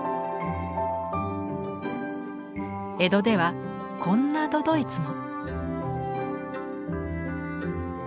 江戸ではこんな都々逸も。